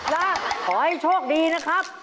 และขอให้โชคดีนะครับ